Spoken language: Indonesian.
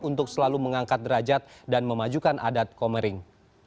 untuk selalu mengangkat derajat dan memajukan adat komering